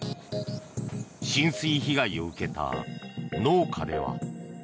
浸水被害を受けた農家では。